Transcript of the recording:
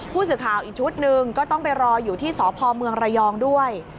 ผู้สื่อข่าวอีกชุดหนึ่งก็ต้องไปรออยู่ที่สพเมืองระยองด้วย